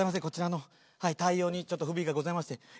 こちらの対応にちょっと不備がございまして。